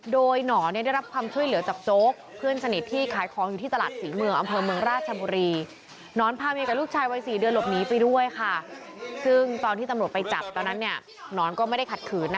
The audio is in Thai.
โดยน้อนได้รับความช่วยเหลือจากจโกค